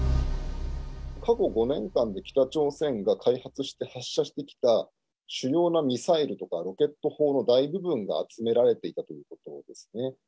過去５年間で北朝鮮が開発して発射してきた主要なミサイルとか、ロケット砲の大部分が集められていたということですね。